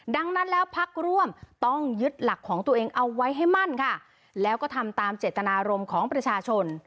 ดังนั้นแล้วพักร่วมต้องยึดหลักของตัวเองเอาไว้ให้มั่นค่ะแล้วก็ทำตามเจตนารมณ์ของประชาชน